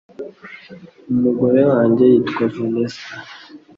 umugore wange witwa Vanessa.